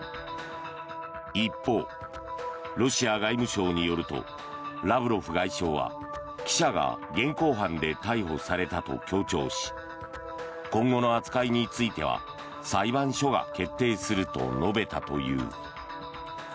一方、ロシア外務省によるとラブロフ外相は記者が現行犯で逮捕されたと強調し今後の扱いについては裁判所が決定すると述べたという。